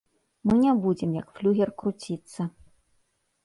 Мы не будзем як флюгер круціцца.